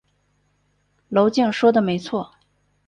娄敬说的没错。